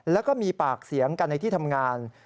แล้วก็มีปากเสียงกันในที่ทำงาน